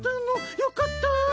よかった！